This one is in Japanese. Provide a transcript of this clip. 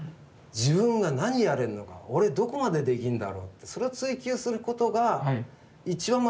自分が何やれるのか俺どこまでできるんだろうってそれを追求することが一番真面目な姿勢だと思うんですよ。